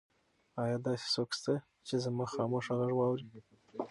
ایا داسې څوک شته چې زما خاموشه غږ واوري؟